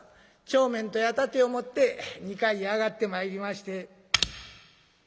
帳面と矢立てを持って２階へ上がってまいりまして。